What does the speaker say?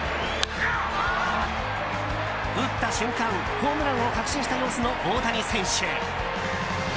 打った瞬間、ホームランを確信した様子の大谷選手。